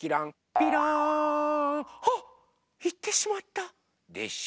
びろん！あっいってしまった！でしょ。